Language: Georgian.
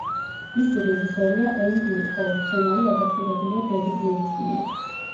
მისი რეჟისორია ენგ ლი, ხოლო სცენარი ადაპტირებულია დევიდ მეგის მიერ.